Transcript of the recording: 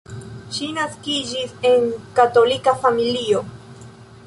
Ŝi naskiĝis en katolika familio.